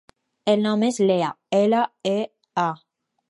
El nom és Lea: ela, e, a.